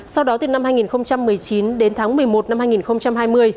sau đó từ năm hai nghìn một mươi chín đến tháng một mươi một năm hai nghìn hai mươi